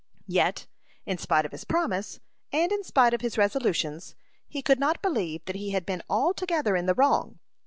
Yet, in spite of his promise, and in spite of his resolutions, he could not believe that he had been altogether in the wrong.